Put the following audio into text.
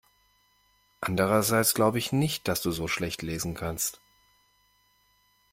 Andererseits glaube ich nicht, dass du so schlecht lesen kannst.